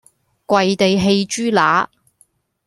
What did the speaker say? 跪地餼豬乸